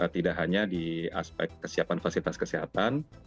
tidak hanya di aspek kesiapan fasilitas kesehatan